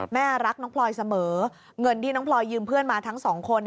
แม่รักน้องพลอยเสมอเงินที่น้องพลอยยืมเพื่อนมาทั้งสองคน